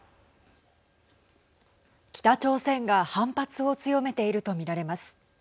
北朝鮮が反発を強めていると見られます。